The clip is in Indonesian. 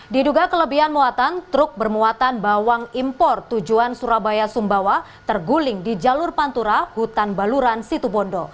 diduga kelebihan muatan truk bermuatan bawang impor tujuan surabaya sumbawa terguling di jalur pantura hutan baluran situbondo